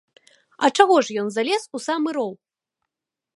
А чаго ж ён залез у самы роў?